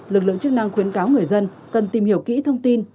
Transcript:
lực lượng chức năng khuyến cáo người dân cần tìm hiểu kỹ thông tin